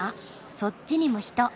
そっちにも人。